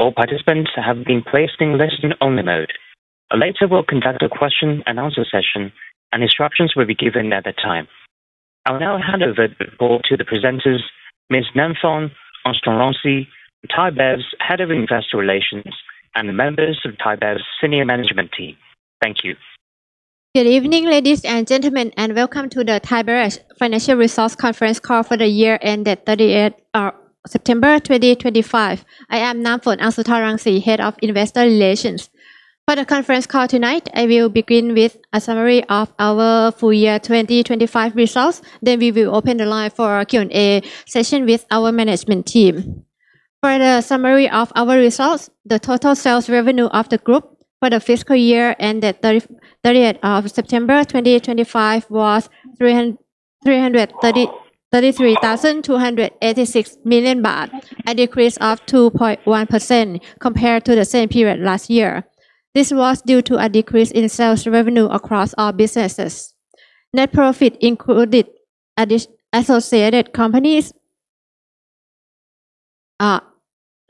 All participants have been placed in listen-only mode. A later will conduct a question-and-answer session, and instructions will be given at that time. I'll now hand over the floor to the presenters, Ms. Namfon Oubhas, Thai Beverage Head of Investor Relations, and the members of Thai Beverage's senior management team. Thank you. Good evening, ladies and gentlemen, and welcome to the Thai Beverage Financial Resource Conference call for the year ended September 2025. I am Namfon Oubhas, Head of Investor Relations. For the conference call tonight, I will begin with a summary of our full year 2025 results. We will open the line for a Q&A session with our management team. For the summary of our results, the total sales revenue of the group for the fiscal year ended September 2025 was 333,286 million baht, a decrease of 2.1% compared to the same period last year. This was due to a decrease in sales revenue across all businesses. Net profit including associated companies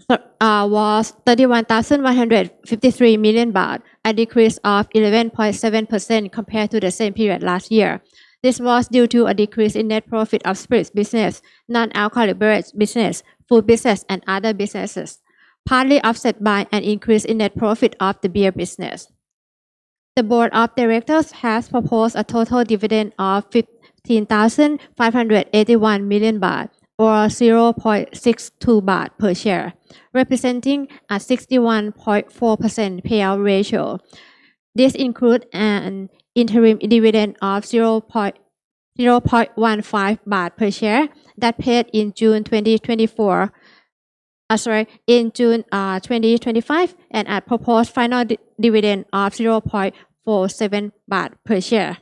was 31,153 million baht, a decrease of 11.7% compared to the same period last year. This was due to a decrease in net profit of spirits business, non-alcoholic beverage business, food business, and other businesses, partly offset by an increase in net profit of the beer business. The Board of Directors has proposed a total dividend of 15,581 million baht, or 0.62 baht per share, representing a 61.4% payout ratio. This includes an interim dividend of 0.15 baht per share that paid in June 2025, and a proposed final dividend of 0.47 baht per share.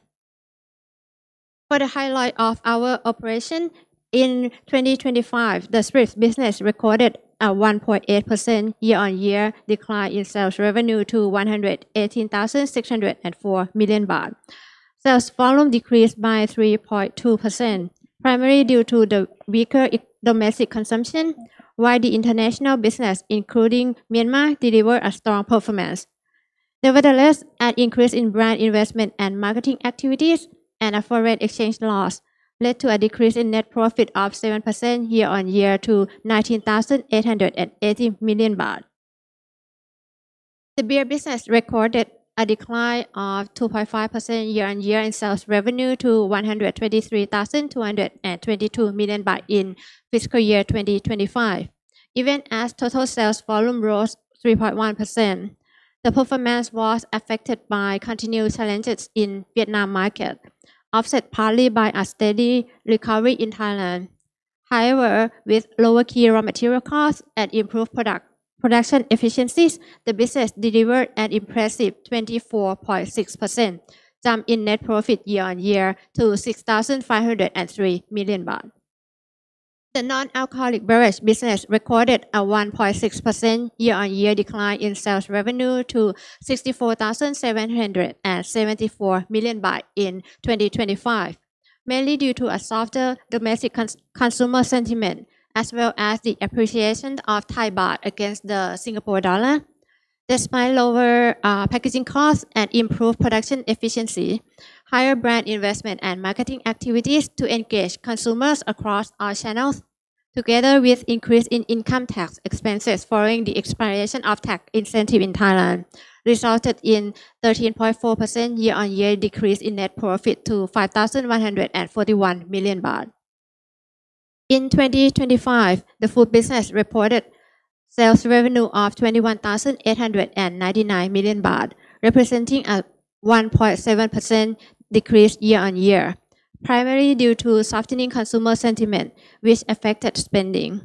For the highlight of our operation in 2025, the spirits business recorded a 1.8% year-on-year decline in sales revenue to 118,604 million baht. Sales volume decreased by 3.2%, primarily due to the weaker domestic consumption, while the international business, including Myanmar, delivered a strong performance. Nevertheless, an increase in brand investment and marketing activities and a foreign exchange loss led to a decrease in net profit of 7% year-on-year to 19,880 million baht. The beer business recorded a decline of 2.5% year-on-year in sales revenue to 123,222 million baht in fiscal year 2025, even as total sales volume rose 3.1%. The performance was affected by continued challenges in the Vietnam market, offset partly by a steady recovery in Thailand. However, with lower key raw material costs and improved production efficiencies, the business delivered an impressive 24.6% jump in net profit year-on-year to 6,503 million baht. The non-alcoholic beverage business recorded a 1.6% year-on-year decline in sales revenue to 64,774 million baht in 2025, mainly due to a softer domestic consumer sentiment, as well as the appreciation of Thai baht against the Singapore dollar. Despite lower packaging costs and improved production efficiency, higher brand investment and marketing activities to engage consumers across all channels, together with an increase in income tax expenses following the expiration of tax incentives in Thailand, resulted in a 13.4% year-on-year decrease in net profit to 5,141 million baht. In 2025, the food business reported sales revenue of 21,899 million baht, representing a 1.7% decrease year-on-year, primarily due to softening consumer sentiment, which affected spending.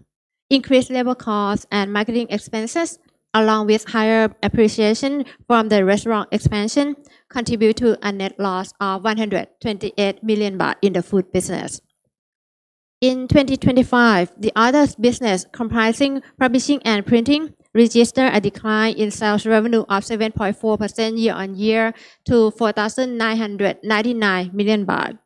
Increased labor costs and marketing expenses, along with higher appreciation from the restaurant expansion, contributed to a net loss of 128 million baht in the food business. In 2025, the other business, comprising publishing and printing, registered a decline in sales revenue of 7.4% year-on-year to 4,999 million baht.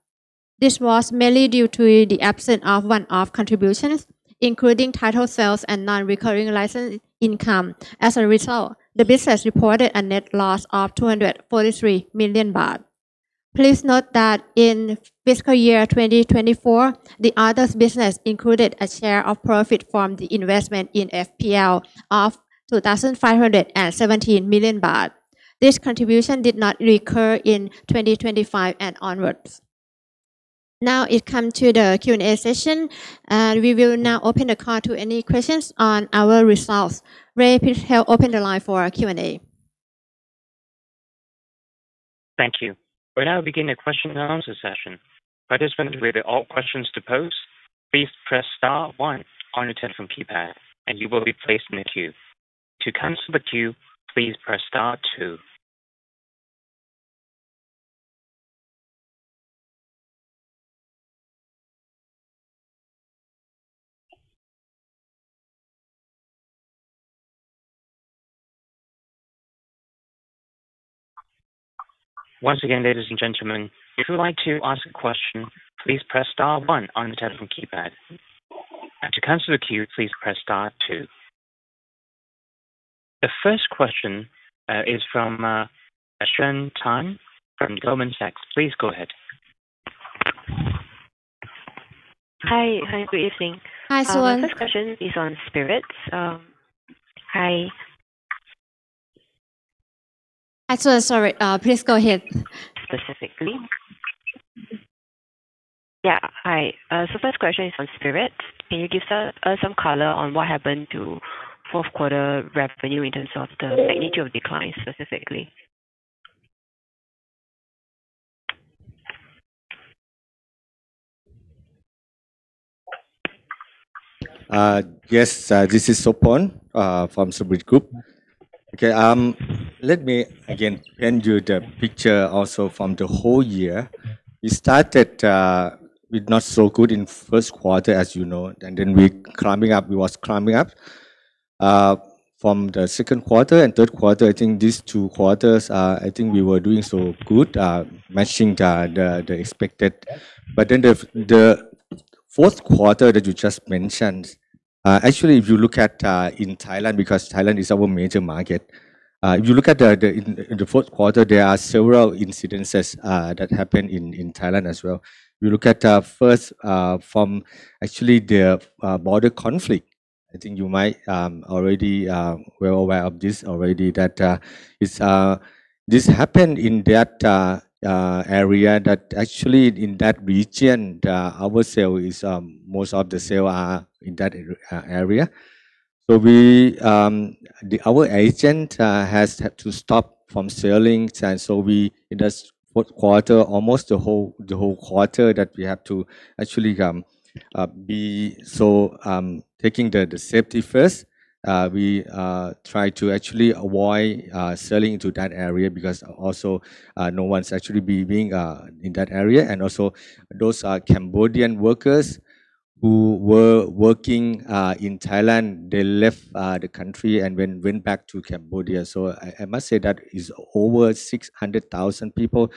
This was mainly due to the absence of one-off contributions, including title sales and non-recurring license income. As a result, the business reported a net loss of 243 million baht. Please note that in fiscal year 2024, the other business included a share of profit from the investment in FPL of 2,517 million baht. This contribution did not recur in 2025 and onwards. Now it comes to the Q&A session, and we will now open the call to any questions on our results. Ray, please help open the line for Q&A. Thank you. We'll now begin the question-and-answer session. Participants with all questions to pose, please press Star 1 on your telephone keypad, and you will be placed in the queue. To cancel the queue, please press Star 2. Once again, ladies and gentlemen, if you would like to ask a question, please press Star 1 on the telephone keypad. To cancel the queue, please press Star 2. The first question is from Shen Tan from Goldman Sachs. Please go ahead. Hi. Good evening. Hi. The first question is on spirits. Hi. Hi. Sorry. Please go ahead. Specifically. Yeah. Hi. So the first question is on spirits. Can you give us some color on what happened to fourth-quarter revenue in terms of the magnitude of declines specifically? Yes. This is Sopon from Spirits Group. Okay. Let me again hand you the picture also from the whole year. We started with not so good in first quarter, as you know, and then we were climbing up. We were climbing up from the second quarter and third quarter. I think these two quarters, I think we were doing so good, matching the expected. Actually, the fourth quarter that you just mentioned, if you look at in Thailand, because Thailand is our major market, if you look at the fourth quarter, there are several incidences that happened in Thailand as well. You look at first from actually the border conflict. I think you might already be aware of this already that this happened in that area, that actually in that region, our sale is most of the sale are in that area. Our agent has had to stop from selling. In the fourth quarter, almost the whole quarter that we have to actually be so taking the safety first, we try to actually avoid selling into that area because also no one's actually being in that area. Also, those Cambodian workers who were working in Thailand, they left the country and went back to Cambodia. I must say that is over 600,000 people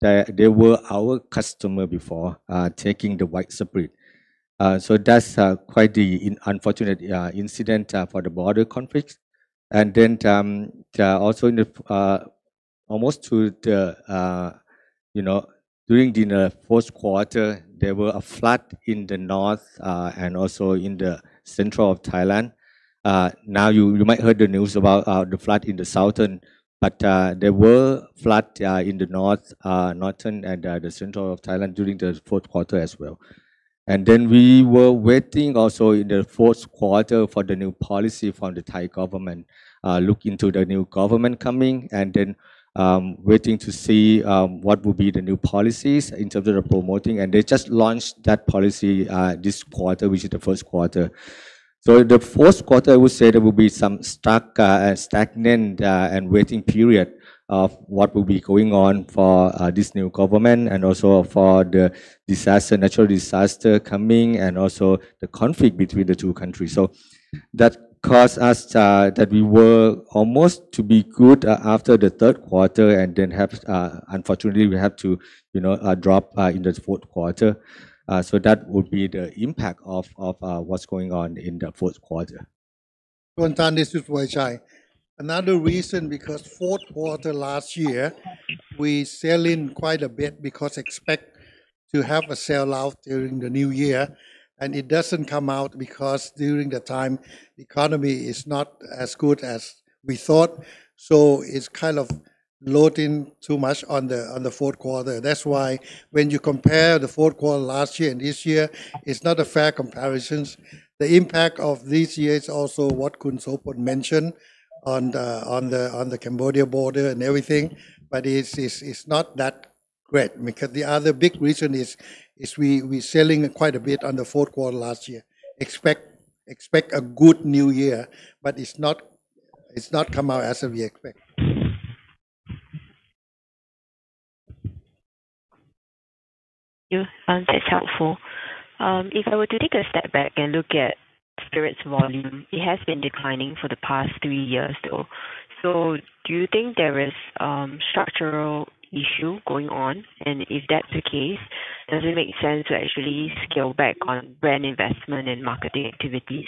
that they were our customer before taking the white spirit. That's quite the unfortunate incident for the border conflict. Also, almost to the during the fourth quarter, there were floods in the north and also in the central of Thailand. Now you might heard the news about the flood in the southern, but there were floods in the north, northern, and the central of Thailand during the fourth quarter as well. We were waiting also in the fourth quarter for the new policy from the Thai government, looking into the new government coming, and then waiting to see what will be the new policies in terms of the promoting. They just launched that policy this quarter, which is the first quarter. The fourth quarter, I would say there will be some stuck and stagnant and waiting period of what will be going on for this new government and also for the natural disaster coming and also the conflict between the two countries. That caused us that we were almost to be good after the third quarter, and then unfortunately, we have to drop in the fourth quarter. That would be the impact of what is going on in the fourth quarter. Another reason because fourth quarter last year, we sell in quite a bit because expect to have a sell-out during the new year. It does not come out because during the time, the economy is not as good as we thought. It is kind of loading too much on the fourth quarter. That is why when you compare the fourth quarter last year and this year, it is not a fair comparison. The impact of this year is also what Sopon mentioned on the Cambodia border and everything, but it is not that great because the other big reason is we are selling quite a bit on the fourth quarter last year. Expect a good new year, but it is not come out as we expect. Thank you. That's helpful. If I were to take a step back and look at spirits volume, it has been declining for the past three years though. Do you think there is a structural issue going on? If that's the case, does it make sense to actually scale back on brand investment and marketing activities?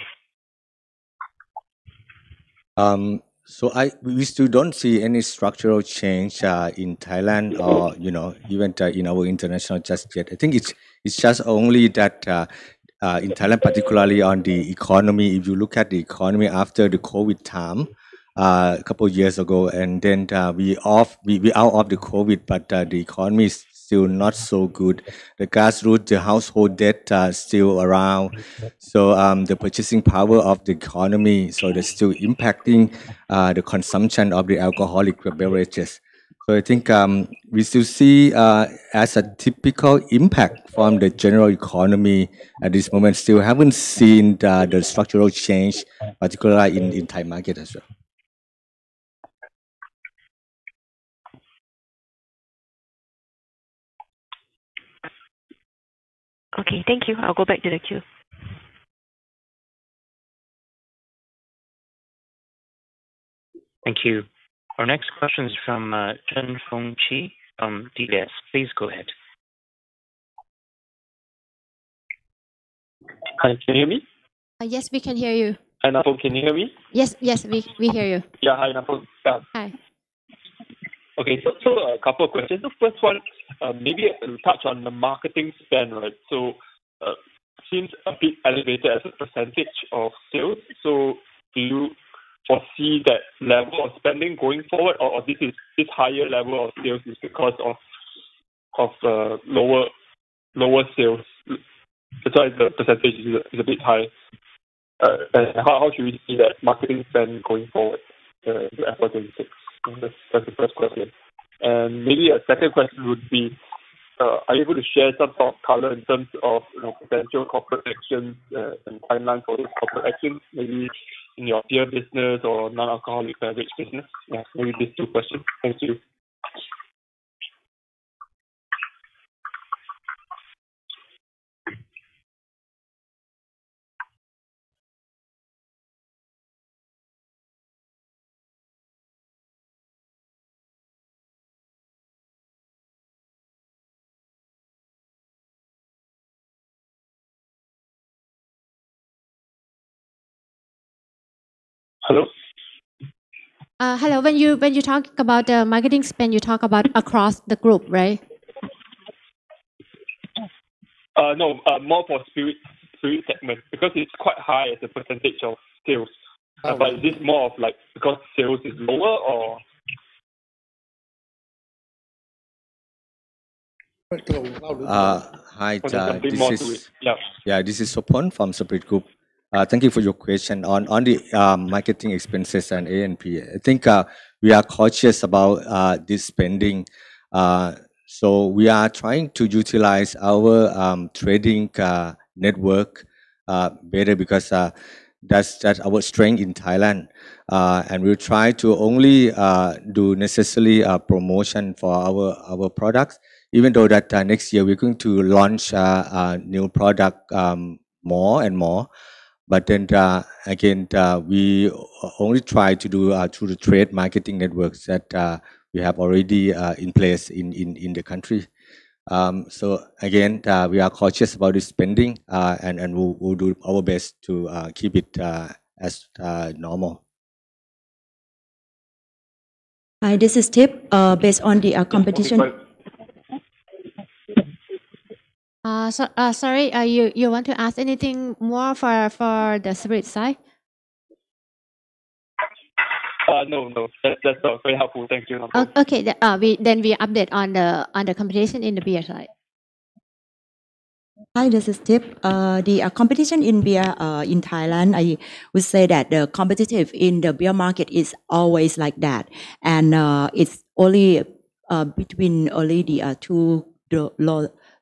We still do not see any structural change in Thailand or even in our international just yet. I think it is just only that in Thailand, particularly on the economy, if you look at the economy after the COVID time a couple of years ago, and then we are off the COVID, but the economy is still not so good. The grassroots, the household debt is still around. The purchasing power of the economy, so they are still impacting the consumption of the alcoholic beverages. I think we still see as a typical impact from the general economy at this moment, still have not seen the structural change, particularly in the Thai market as well. Okay. Thank you. I'll go back to the queue. Thank you. Our next question is from Chen Guanqi from DBS. Please go ahead. Hi. Can you hear me? Yes, we can hear you. Hi, Namfon. Can you hear me? Yes. Yes, we hear you. Yeah. Hi, Namfon. Hi. Okay. A couple of questions. The first one, maybe a touch on the marketing spend, right? Seems a bit elevated as a percentage of sales. Do you foresee that level of spending going forward, or this higher level of sales is because of lower sales? That's why the percentage is a bit high. How should we see that marketing spend going forward in 2026? That's the first question. Maybe a second question would be, are you able to share some color in terms of potential corporate actions and timeline for those corporate actions, maybe in your beer business or non-alcoholic beverage business? Yeah. Maybe these two questions. Thank you. Hello? Hello. When you're talking about the marketing spend, you talk about across the group, right? No, more for spirits segment because it's quite high as a percentage of sales. Is this more of like because sales is lower or? Hi, Chen. Yeah. This is Sopon from Spirits Group. Thank you for your question on the marketing expenses and A&P. I think we are conscious about this spending. We are trying to utilize our trading network better because that's our strength in Thailand. We will try to only do necessary promotion for our products, even though next year we are going to launch new products more and more. We only try to do this through the trade marketing networks that we have already in place in the country. We are conscious about this spending, and we will do our best to keep it as normal. Hi, this is Tip. Based on the competition. Sorry, you want to ask anything more for the spirits side? No, no. That's very helpful. Thank you. Okay. We update on the competition in the beer side. Hi, this is Tip. The competition in beer in Thailand, I would say that the competitive in the beer market is always like that. It is only between only the two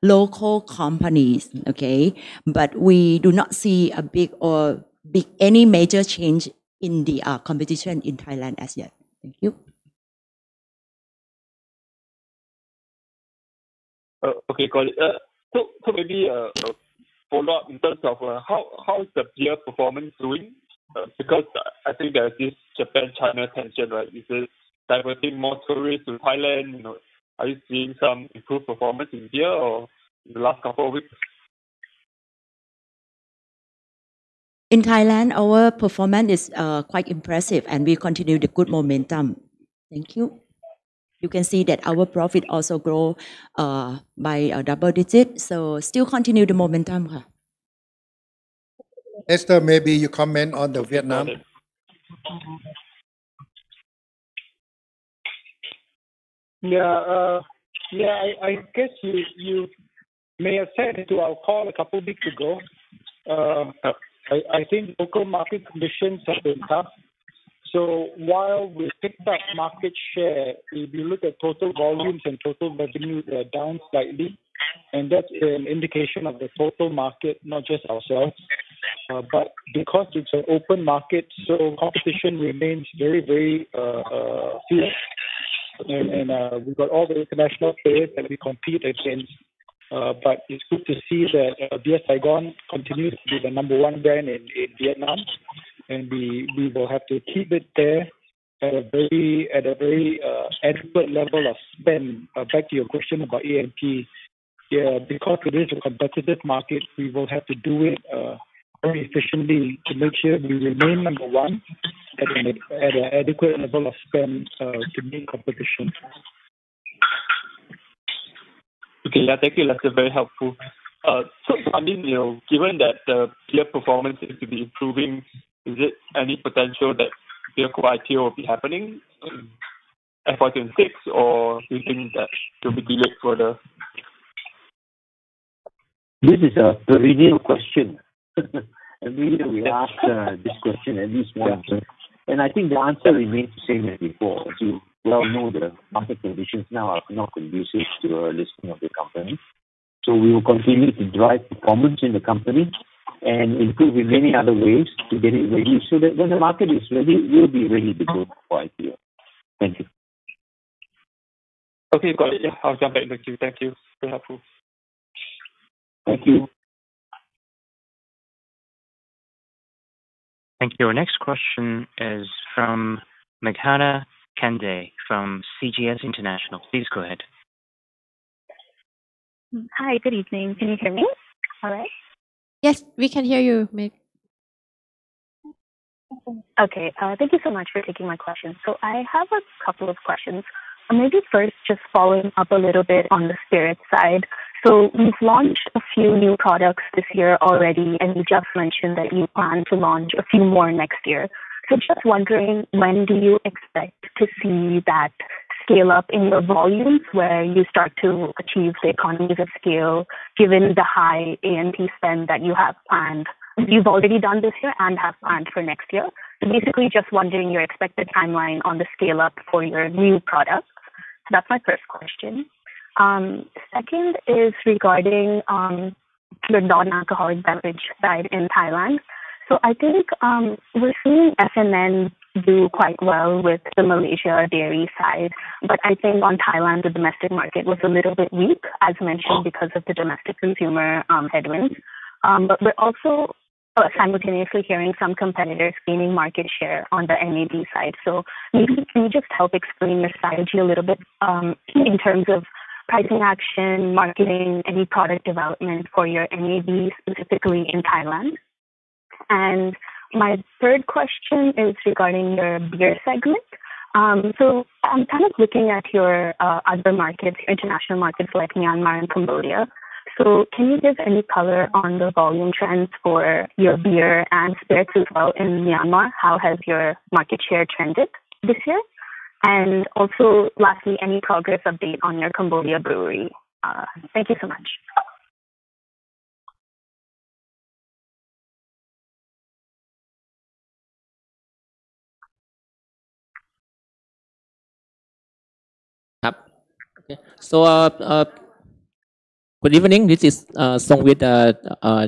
local companies, okay? We do not see any major change in the competition in Thailand as yet. Thank you. Okay. Maybe a follow-up in terms of how is the beer performance doing? I think there's this Japan-China tension, right? Is it diverting more tourists to Thailand? Are you seeing some improved performance in beer or in the last couple of weeks? In Thailand, our performance is quite impressive, and we continue the good momentum. Thank you. You can see that our profit also grow by a double digit. Still continue the momentum. Esther, maybe you comment on the Vietnam. Yeah. Yeah. I guess you may have said it to our call a couple of weeks ago. I think local market conditions have been tough. While we picked up market share, if you look at total volumes and total revenue, they're down slightly. That's an indication of the total market, not just ourselves. Because it's an open market, competition remains very, very fierce. We've got all the international players that we compete against. It's good to see that Beer Saigon continues to be the number one brand in Vietnam. We will have to keep it there at a very adequate level of spend. Back to your question about A&P, because it is a competitive market, we will have to do it very efficiently to make sure we remain number one at an adequate level of spend to meet competition. Okay. Yeah. Thank you. That's very helpful. I mean, given that the beer performance seems to be improving, is there any potential that beer quality will be happening in 2026, or do you think that it will be delayed further? This is a perennial question. We ask this question at least once. I think the answer remains the same as before. As you well know, the market conditions now are not conducive to a listing of the company. We will continue to drive performance in the company and improve in many other ways to get it ready so that when the market is ready, we'll be ready to go for IPA. Thank you. Okay. Got it. Yeah. I'll jump back to you. Thank you. Very helpful. Thank you. Thank you. Our next question is from Meghana Kande from CGS International. Please go ahead. Hi. Good evening. Can you hear me all right? Yes, we can hear you. Okay. Thank you so much for taking my questions. I have a couple of questions. Maybe first, just following up a little bit on the spirits side. You have launched a few new products this year already, and you just mentioned that you plan to launch a few more next year. I am just wondering, when do you expect to see that scale up in your volumes where you start to achieve the economies of scale given the high A&P spend that you have planned? You have already done this year and have planned for next year. Basically, I am just wondering your expected timeline on the scale up for your new products. That is my first question. Second is regarding the non-alcoholic beverage side in Thailand. I think we are seeing S&N do quite well with the Malaysia dairy side. I think on Thailand, the domestic market was a little bit weak, as mentioned, because of the domestic consumer headwinds. We are also simultaneously hearing some competitors gaining market share on the MAB side. Maybe can you just help explain your strategy a little bit in terms of pricing action, marketing, any product development for your MAB, specifically in Thailand? My third question is regarding your beer segment. I am kind of looking at your other markets, international markets like Myanmar and Cambodia. Can you give any color on the volume trends for your beer and spirits as well in Myanmar? How has your market share trended this year? Also, lastly, any progress update on your Cambodia brewery? Thank you so much. Good evening. This is Songwit,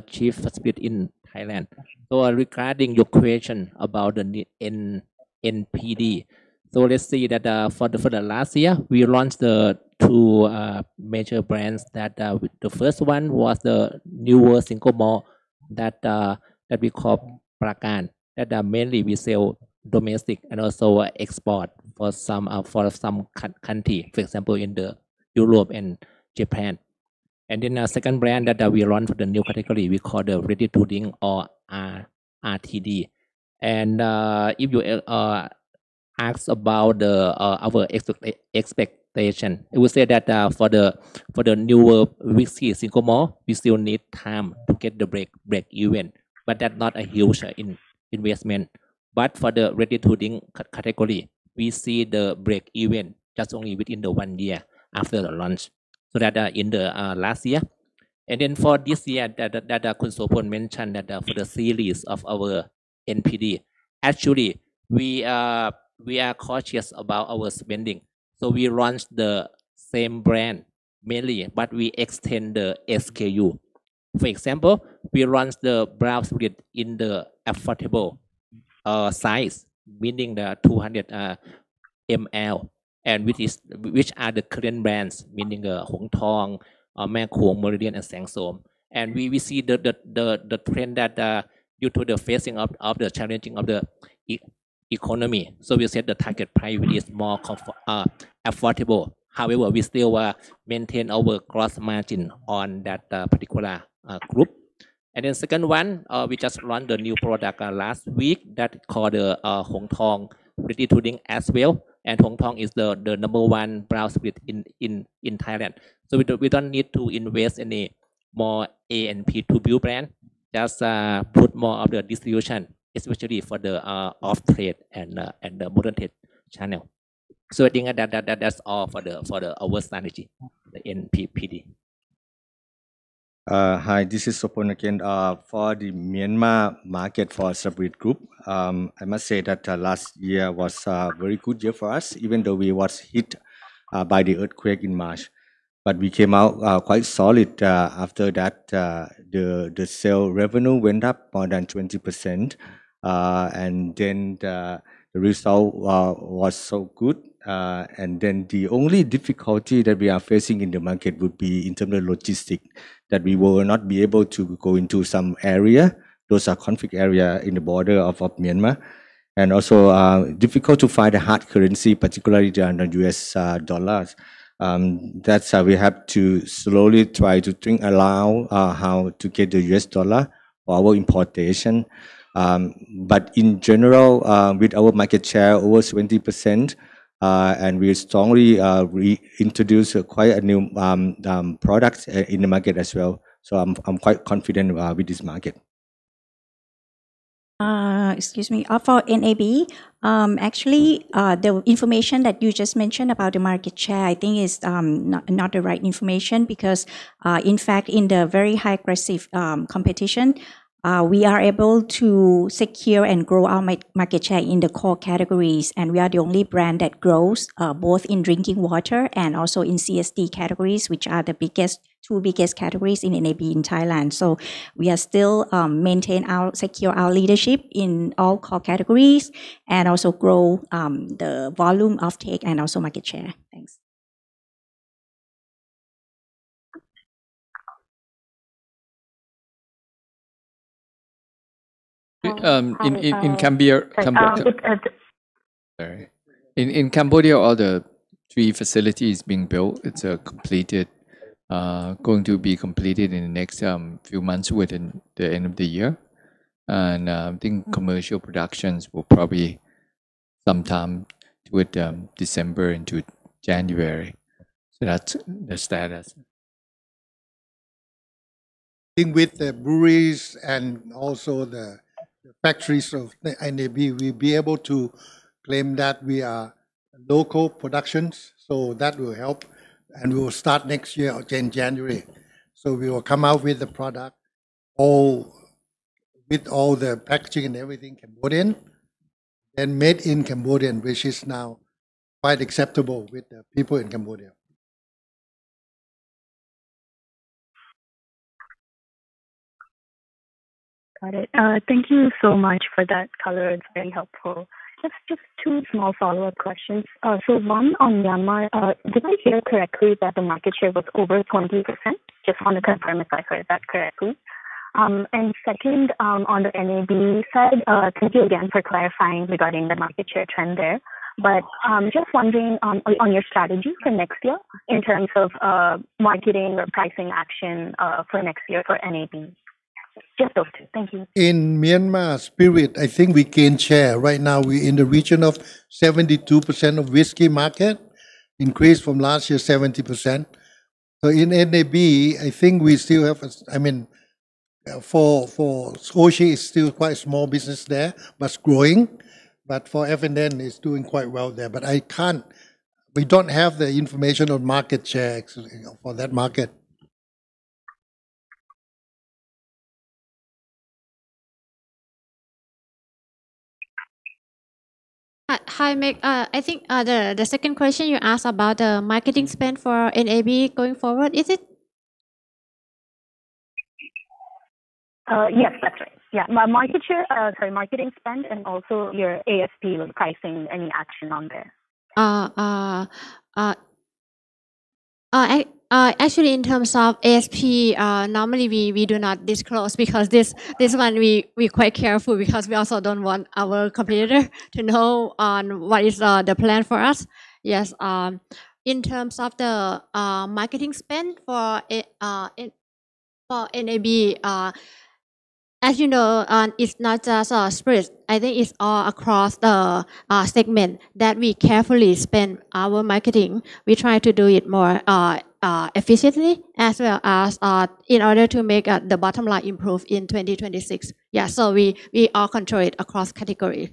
Chief Spirits in Thailand. Regarding your question about the NPD, let's see that for the last year, we launched two major brands. The first one was the newer single malt that we call Prakan. That mainly we sell domestic and also export for some countries, for example, in Europe and Japan. The second brand that we launched for the new category, we call the Ready To Drink or RTD. If you ask about our expectation, we will say that for the newer whiskey single malt, we still need time to get the break-even. That's not a huge investment. For the Ready To Drink category, we see the break-even just only within one year after the launch. That in the last year. For this year that Sopon mentioned, for the series of our NPD, actually, we are cautious about our spending. We launched the same brand mainly, but we extend the SKU. For example, we launched the Brown Spirit in the affordable size, meaning the 200 ml, which are the current brands, meaning Hong Thong, Maekhong, Meridian, and Sangsom. We see the trend that due to the phasing of the challenging of the economy, we set the target price which is more affordable. However, we still maintain our gross margin on that particular group. The second one, we just launched the new product last week that is called the Hong Thong Ready To Drink as well. Hong Kong is the number one Brown Spirit in Thailand. We do not need to invest any more A&P to build brand, just put more of the distribution, especially for the off-trade and the modern-trade channel. I think that is all for our strategy, the NPD. Hi, this is Sopon again for the Myanmar market for Spirit Group. I must say that last year was a very good year for us, even though we were hit by the earthquake in March. We came out quite solid after that. The sale revenue went up more than 20%. The result was so good. The only difficulty that we are facing in the market would be in terms of logistics that we will not be able to go into some area. Those are conflict areas in the border of Myanmar. It is also difficult to find a hard currency, particularly the US dollar. That is why we have to slowly try to think around how to get the US dollar for our importation. In general, with our market share over 20%, we strongly introduce quite a new product in the market as well. I'm quite confident with this market. Excuse me. For NAB, actually, the information that you just mentioned about the market share, I think is not the right information because, in fact, in the very high-aggressive competition, we are able to secure and grow our market share in the core categories. We are the only brand that grows both in drinking water and also in CSD categories, which are the two biggest categories in NAB in Thailand. We are still maintaining our secure leadership in all core categories and also grow the volume of take and also market share. Thanks. In Cambodia, all the three facilities being built, it's going to be completed in the next few months within the end of the year. I think commercial productions will probably sometime with December into January. So that's the status. I think with the breweries and also the factories of NAB, we'll be able to claim that we are local productions. That will help. We will start next year in January. We will come out with the product with all the packaging and everything Cambodian, then made in Cambodia, which is now quite acceptable with the people in Cambodia. Got it. Thank you so much for that color. It's very helpful. Just two small follow-up questions. One on Myanmar, did I hear correctly that the market share was over 20%? I just want to confirm if I heard that correctly. Second, on the NAB side, thank you again for clarifying regarding the market share trend there. I am just wondering on your strategy for next year in terms of marketing or pricing action for next year for NAB. Just those two. Thank you. In Myanmar, spirit, I think we gained share. Right now, we're in the region of 72% of whiskey market, increased from last year's 70%. In NAB, I think we still have a, I mean, for Soshi, it's still quite a small business there, but it's growing. For F&N, it's doing quite well there. We don't have the information on market share for that market. Hi, Meg. I think the second question you asked about the marketing spend for NAB going forward, is it? Yes, that's right. Yeah. Market share, sorry, marketing spend, and also your ASP pricing, any action on there? Actually, in terms of ASP, normally we do not disclose because this one we're quite careful because we also don't want our competitor to know what is the plan for us. Yes. In terms of the marketing spend for NAB, as you know, it's not just spirits. I think it's all across the segment that we carefully spend our marketing. We try to do it more efficiently as well as in order to make the bottom line improve in 2026. Yeah. We all control it across categories.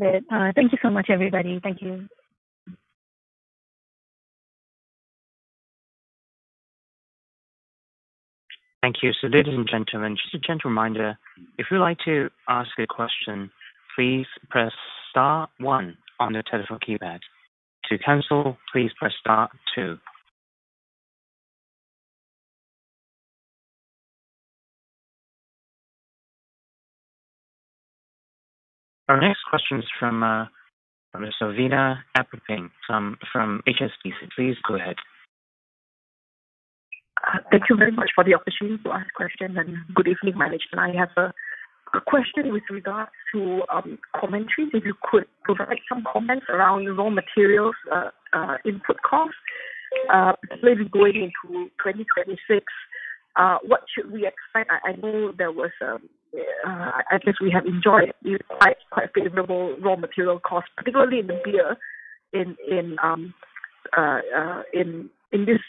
Great. Thank you so much, everybody. Thank you. Thank you. Ladies and gentlemen, just a gentle reminder, if you'd like to ask a question, please press Star 1 on the telephone keypad. To cancel, please press Star 2. Our next question is from Ms. Elvina Appoping from HSBC. Please go ahead. Thank you very much for the opportunity to ask questions. Good evening, Manish. I have a question with regards to commentary. If you could provide some comments around raw materials input costs, especially going into 2026, what should we expect? I know there was, at least we have enjoyed quite favorable raw material costs, particularly in the beer in this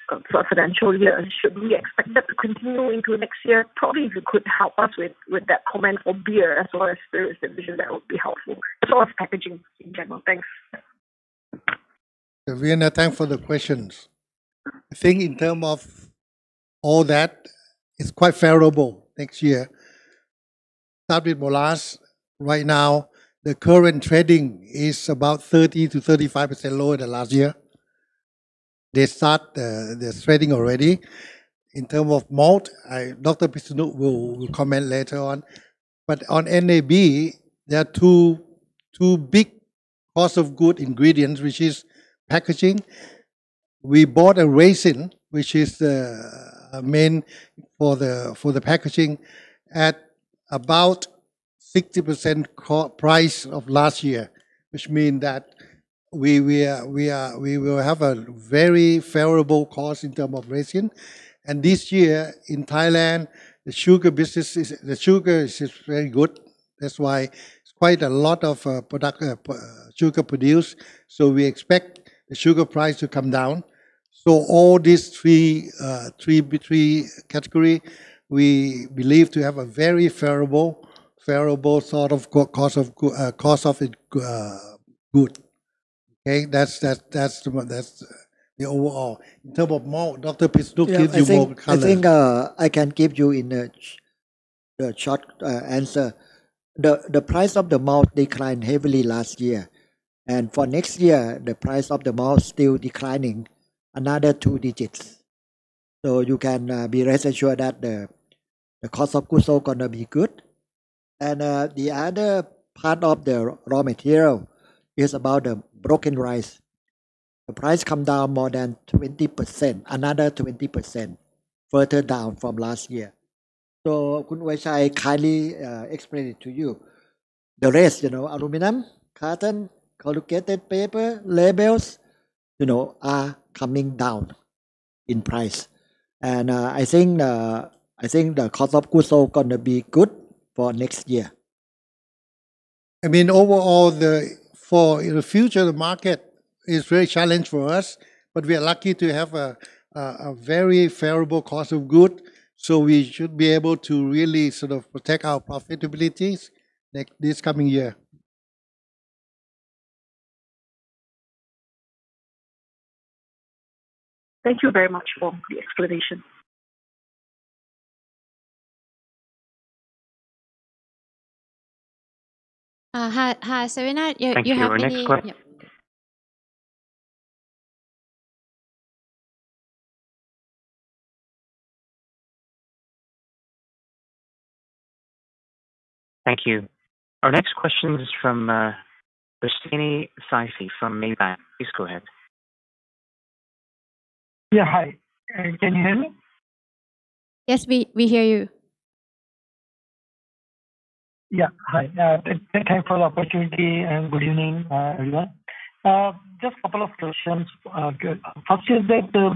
financial year. Should we expect that to continue into next year? Probably if you could help us with that comment for beer as well as spirits, I'm sure that would be helpful. As packaging in general. Thanks. Elvina, thanks for the questions. I think in terms of all that, it's quite favorable next year. Start with molasses. Right now, the current trading is about 30%-35% lower than last year. They start the trading already. In terms of malt, Dr. Pisanut will comment later on. On NAB, there are two big cost-of-good ingredients, which is packaging. We bought a resin, which is main for the packaging, at about 60% price of last year, which means that we will have a very favorable cost in terms of resin. This year in Thailand, the sugar business, the sugar is very good. That's why it's quite a lot of sugar produced. We expect the sugar price to come down. All these three categories, we believe to have a very favorable sort of cost of good. Okay? That's the overall. In terms of malt, Dr. Pisanut gives you more color. I think I can give you in a short answer. The price of the malt declined heavily last year. For next year, the price of the malt is still declining another two digits. You can be rest assured that the cost of goods is going to be good. The other part of the raw material is about the broken rice. The price came down more than 20%, another 20% further down from last year. Khun Ueychai kindly explained it to you. The rest, aluminum, cotton, corrugated paper, labels, are coming down in price. I think the cost of goods is going to be good for next year. I mean, overall, for the future, the market is very challenged for us, but we are lucky to have a very favorable cost of goods. We should be able to really sort of protect our profitabilities this coming year. Thank you very much for the explanation. Hi, Serena. Thank you. Our next question is from Christine Saifi from Maybank. Please go ahead. Yeah, hi. Can you hear me? Yes, we hear you. Yeah. Hi. Thank you for the opportunity and good evening, everyone. Just a couple of questions. First is that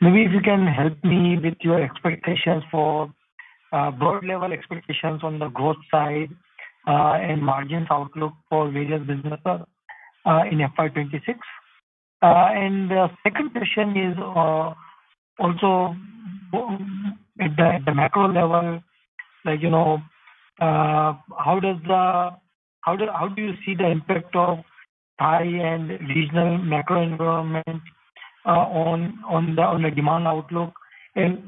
maybe if you can help me with your expectations for board-level expectations on the growth side and margins outlook for various businesses in FY2026. The second question is also at the macro level, how do you see the impact of Thai and regional macro environment on the demand outlook?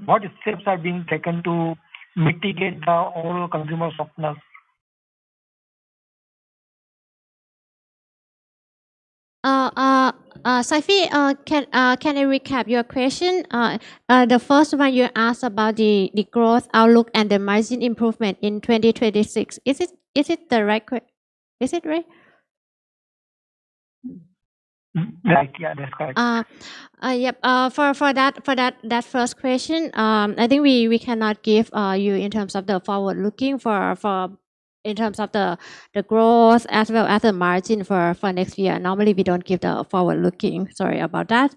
What steps are being taken to mitigate the overall consumer softness? Saifi, can I recap your question? The first one, you asked about the growth outlook and the margin improvement in 2026. Is it the right question? Is it right? Yeah, that's correct. Yep. For that first question, I think we cannot give you in terms of the forward-looking in terms of the growth as well as the margin for next year. Normally, we don't give the forward-looking. Sorry about that.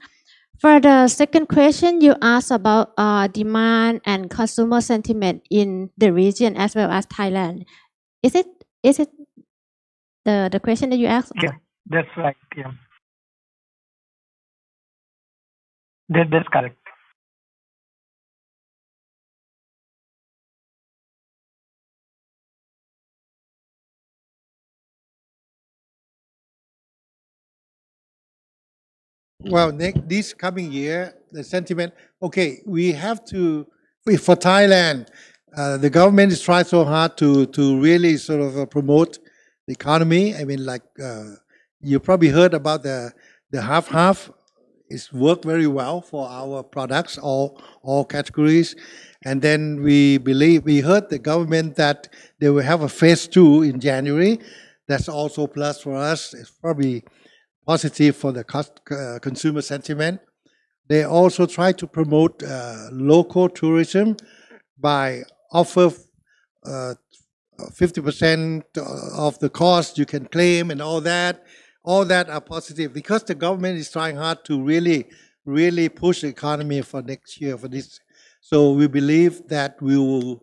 For the second question, you asked about demand and consumer sentiment in the region as well as Thailand. Is it the question that you asked? Yeah. That's right. Yeah. That's correct. This coming year, the sentiment, okay, we have to for Thailand, the government has tried so hard to really sort of promote the economy. I mean, you probably heard about the half-half. It's worked very well for our products, all categories. We heard the government that they will have a phase two in January. That's also plus for us. It's probably positive for the consumer sentiment. They also tried to promote local tourism by offering 50% of the cost you can claim and all that. All that are positive because the government is trying hard to really, really push the economy for next year. We believe that we will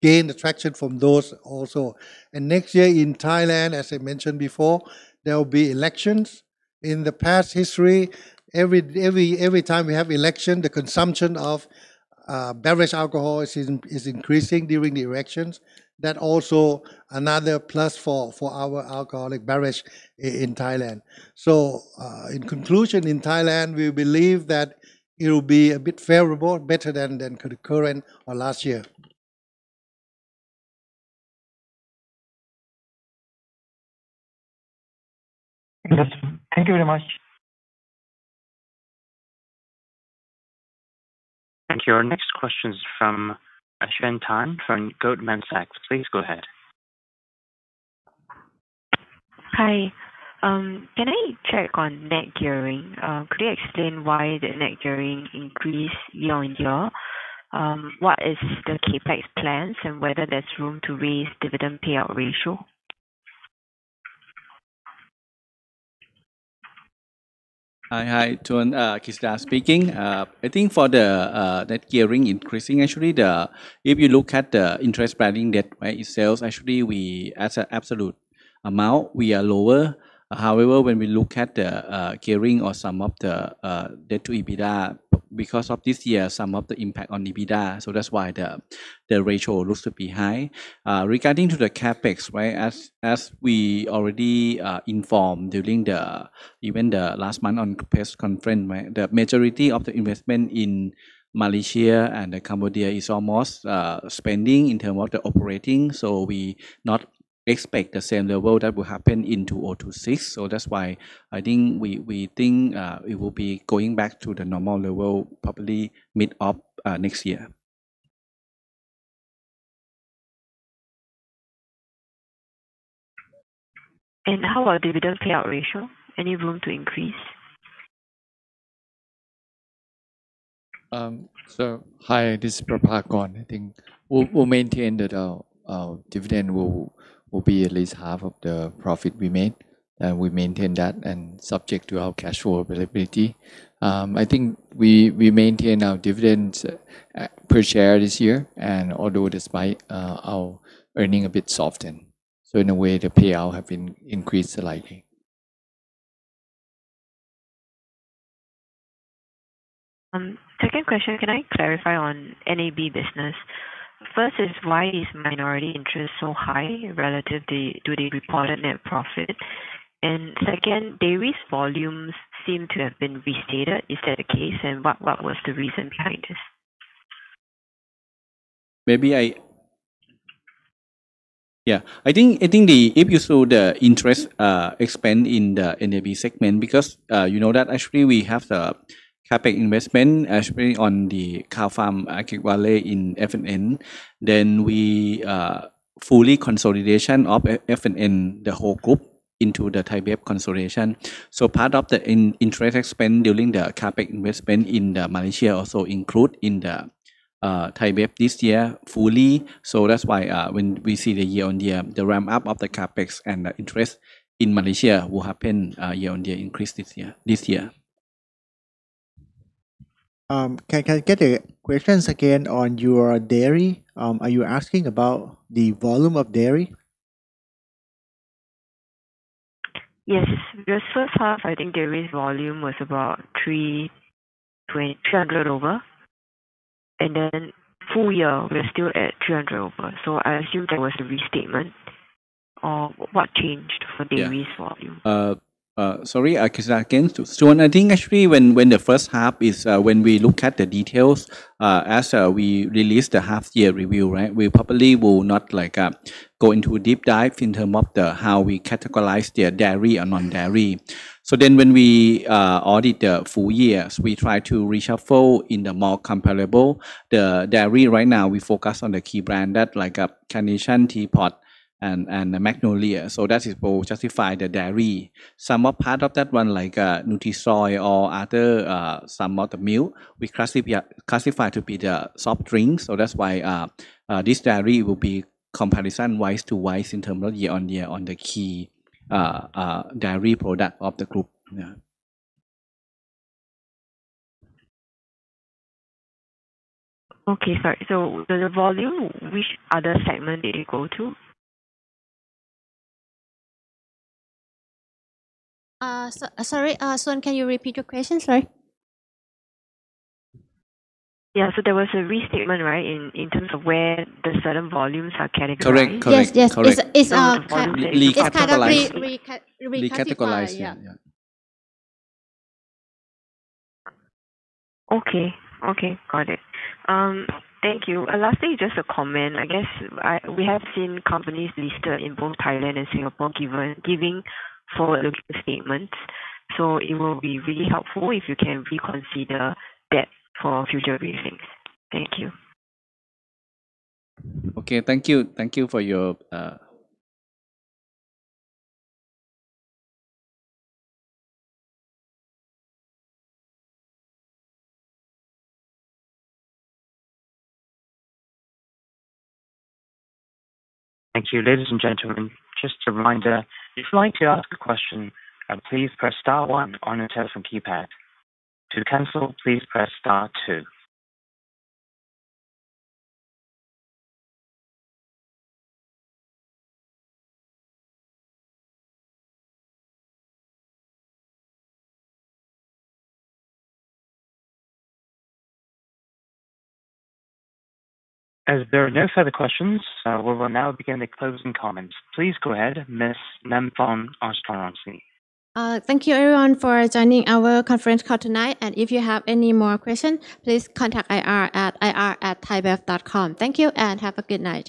gain attraction from those also. Next year in Thailand, as I mentioned before, there will be elections. In the past history, every time we have elections, the consumption of beverage alcohol is increasing during the elections. That also is another plus for our alcoholic beverage in Thailand. In conclusion, in Thailand, we believe that it will be a bit favorable, better than the current or last year. Thank you very much. Thank you. Our next question is from Shen Tan from Goldman Sachs. Please go ahead. Hi. Can I check on net gearing? Could you explain why the net gearing increased year on year? What is the CAPEX plans and whether there's room to raise dividend payout ratio? Hi. Chun Ksingha speaking. I think for the net gearing increasing, actually, if you look at the interest spending, that itself actually as an absolute amount, we are lower. However, when we look at the gearing or some of the debt to EBITDA, because of this year, some of the impact on EBITDA. That is why the ratio looks to be high. Regarding the CAPEX, as we already informed during the event last month on press conference, the majority of the investment in Malaysia and Cambodia is almost spending in terms of the operating. We do not expect the same level that will happen in 2026. That is why I think we think it will be going back to the normal level probably mid-of next year. How about dividend payout ratio? Any room to increase? Hi, this is Prapakonn. I think we'll maintain that our dividend will be at least half of the profit we made. We maintain that and subject to our cash flow availability. I think we maintain our dividends per share this year, and although despite our earning a bit softened, in a way, the payout has been increased slightly. Second question, can I clarify on NAB business? First is why is minority interest so high relative to the reported net profit? Second, dairy's volumes seem to have been restated. Is that the case? What was the reason behind this? Maybe yeah. I think if you saw the interest expand in the NAB segment because you know that actually we have the CAPEX investment actually on the Khao Phan Archipelago in F&N, then we fully consolidation of F&N, the whole group into the Thai Beverage consolidation. Part of the interest expand during the CAPEX investment in Malaysia also include in the Thai Beverage this year fully. That is why when we see the year on year, the ramp up of the CAPEX and the interest in Malaysia will happen year on year increase this year. Can I get the questions again on your dairy? Are you asking about the volume of dairy? Yes. The first half, I think dairy's volume was about 300 over. And then full year, we're still at 300 over. I assume there was a restatement. What changed for dairy's volume? Sorry, I can start again. I think actually when the first half is when we look at the details as we release the half-year review, we probably will not go into deep dive in terms of how we categorize the dairy or non-dairy. When we audit the full years, we try to reshuffle in the more comparable. The dairy right now, we focus on the key brand that like Carnation, Teapot, and Magnolia. That will justify the dairy. Some of part of that one, like Nutrisoy or other some of the milk, we classify to be the soft drinks. That's why this dairy will be comparison wise to wise in terms of year on year on the key dairy product of the group. Okay. Sorry. The volume, which other segment did it go to? Sorry, Sun, can you repeat your question? Sorry. Yeah. There was a restatement, right, in terms of where the certain volumes are categorized. Correct. Correct. Correct. Yes. Yes. It's completely categorized. Recategorized. Yeah. Okay. Okay. Got it. Thank you. Lastly, just a comment. I guess we have seen companies listed in both Thailand and Singapore giving forward-looking statements. It will be really helpful if you can reconsider that for future briefings. Thank you. Okay. Thank you. Thank you for your. Thank you. Ladies and gentlemen, just a reminder, if you'd like to ask a question, please press star 1 on your telephone keypad. To cancel, please press star 2. As there are no further questions, we will now begin the closing comments. Please go ahead, Ms. Namfon Aungsutornrungsi. Thank you, everyone, for joining our conference call tonight. If you have any more questions, please contact IR at ir@thaibev.com. Thank you and have a good night.